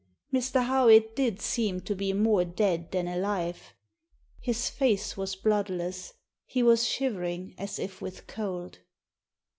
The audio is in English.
Mr. Howitt did seem to be more dead than alive. His face was bloodless. He was shivering as if with cold.